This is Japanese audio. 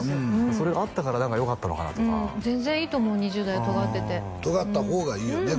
それがあったから何かよかったのかなとか全然いいと思う２０代はとがっててとがった方がいいよね